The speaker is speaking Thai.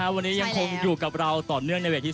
วันนี้ยังคงอยู่กับเราต่อเนื่องในเวลา